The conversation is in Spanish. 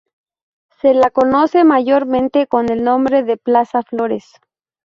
Se la conoce mayormente con el nombre de Plaza Flores.